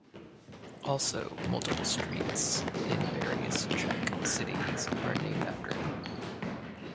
Also multiple streets in various Czech cities are named after him.